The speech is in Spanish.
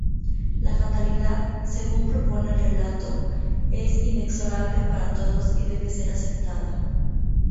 La fatalidad, según propone el relato, es inexorable para todos y debe ser aceptada.